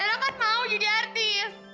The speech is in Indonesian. karena kan mau jadi artis